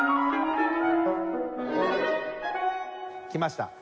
きました